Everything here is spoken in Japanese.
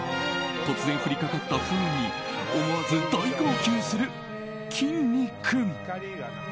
突然降りかかった不運に思わず大号泣するきんに君。